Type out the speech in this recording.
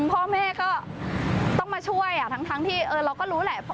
พ่อแม่ก็ต้องมาช่วยทั้งที่เราก็รู้แหละ